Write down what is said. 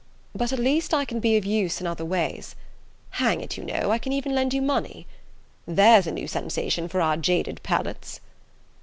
But at least I can be of use in other ways hang it, you know, I can even lend you money. There's a new sensation for our jaded palates!"